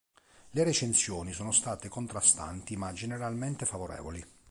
Le recensioni sono state contrastanti ma generalmente favorevoli.